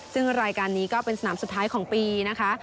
ซึ่งรายการนี้ก็เป็นสนามสุดท้ายของปีนะคะ